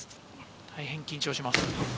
大変緊張します。